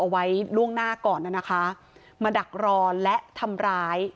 เอาไว้ล่วงหน้าก่อนน่ะนะคะมาดักรอและทำร้าย